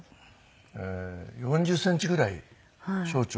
４０センチぐらい小腸を切って。